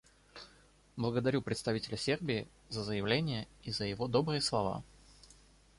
Благодарю представителя Сербии за заявление и за его добрые слова.